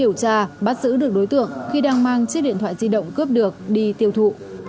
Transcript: và bắt giữ được đối tượng khi đang mang chiếc điện thoại di động cướp được đi tiêu thụ